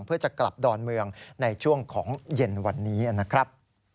เพื่อจะกลับดอนเมืองในช่วงของเย็นวันนี้นะครับ